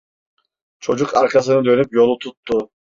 Çocuk arkasını dönüp yolu tuttu.